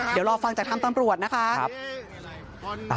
เดี๋ยวรอฟังจากทางตำรวจนะคะ